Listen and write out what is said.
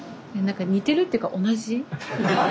似てるっていうか同じ。